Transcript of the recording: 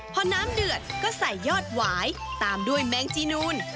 พอน้ำเดือดก็ใส่ยอดหวายตามด้วยแมงจีนูน